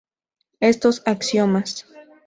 Estos axiomas.